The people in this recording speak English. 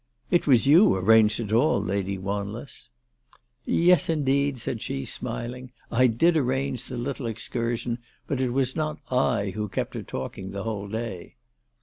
"It was you arranged it all, Lady Wanless." " Yes indeed," said she, smiling. " I did arrange the little excursion, but it was not I who kept her talking the whole day."